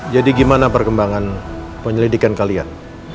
jadi gimana perkembangan penyelidikan kalian